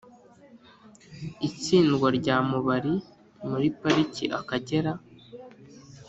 itsindwa rya mubari muri pariki akagera)